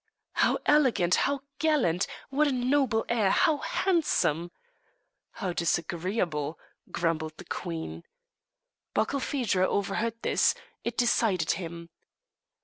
"How elegant! How gallant! What a noble air! How handsome!" "How disagreeable!" grumbled the queen. Barkilphedro overheard this; it decided him.